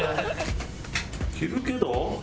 着るけど。